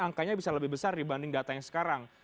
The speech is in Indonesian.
angkanya bisa lebih besar dibanding data yang sekarang